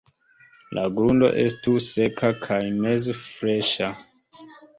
La grundo estu seka kaj meze freŝa.